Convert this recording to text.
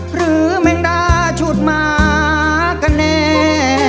หรือแม่งด่าชุดมาก็แน่